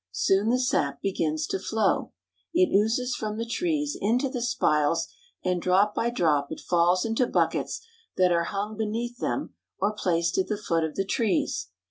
Soon the sap begins to flow. It oozes from the trees into the spiles, and drop by drop it falls into buckets that are hung beneath them or placed at the foot of the trees.